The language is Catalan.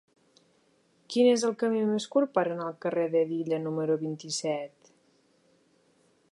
Quin és el camí més curt per anar al carrer d'Hedilla número vint-i-set?